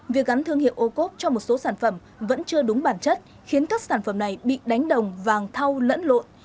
việc gắn thương hiệu ô cốp cho một số sản phẩm vẫn chưa đúng bản chất khiến các sản phẩm này bị đánh đồng vàng thau lẫn lộn